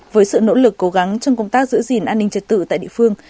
với sự nỗ lực cố gắng trong công tác giữ gìn an ninh trật tự tại địa phương